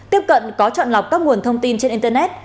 tiếp cận có chọn lọc các nguồn thông tin trên internet